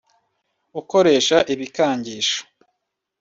Ukoresha ibikangisho